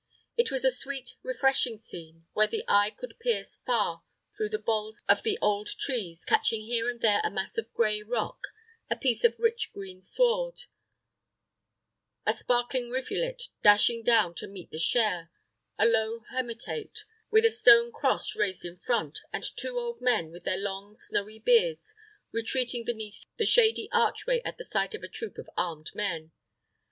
It was a sweet, refreshing scene, where the eye could pierce far through the bolls of the old trees, catching here and there a mass of gray rock, a piece of rich green sward, a sparkling rivulet dashing down to meet the Cher, a low hermitate, with a stone cross raised in front, and two old men, with their long, snowy beards, retreating beneath the shady archway at the sight of a troop of armed men.